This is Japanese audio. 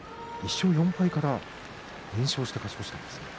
１勝４敗から連勝して勝ち越しています。